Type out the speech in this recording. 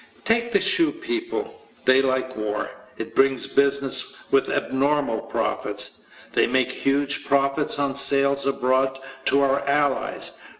Take the shoe people. They like war. It brings business with abnormal profits. They made huge profits on sales abroad to our allies.